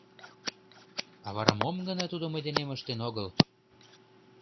А вара мом гына тудо мый денем ыштен огыл.